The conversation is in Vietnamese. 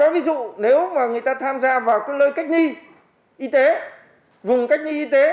ví dụ nếu mà người ta tham gia vào cơ lơi cách nghi y tế vùng cách nghi y tế